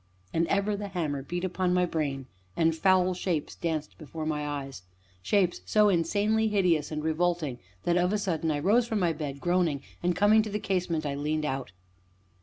And ever the hammer beat upon my brain, and foul shapes danced before my eyes shapes so insanely hideous and revolting that, of a sudden, I rose from my bed, groaning, and coming to the casement leaned out.